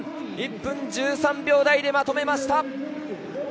１分１３秒台でまとめました。